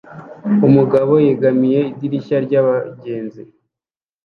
Umugabo yegamiye idirishya ryabagenzi